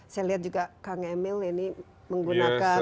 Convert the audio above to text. saya lihat juga kang emil ini menggunakan